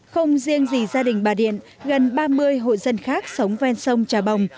không riêng gì gia đình bà điện gần ba mươi hộ dân khác sống ven sông trà bồng